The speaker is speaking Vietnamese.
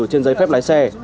trên giấy phép lái xe